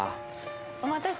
お待たせ。